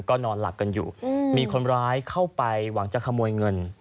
ก็นอนหลับกันอยู่มีคนร้ายเข้าไปหวังจะขโมยเงิน